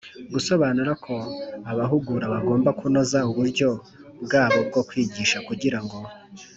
Gusobanura ko abahugura bagomba kunoza uburyo bwabo bwo kwigisha kugira ngo